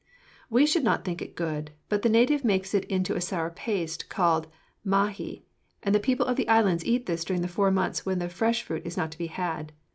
"We should not think it good, but the native makes it into a sour paste called mahé, and the people of the islands eat this during the four months when the fresh fruit is not to be had.